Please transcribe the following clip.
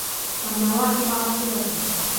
وَالنَّوَائِبَ رَاكِضَةٌ